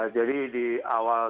jadi di awal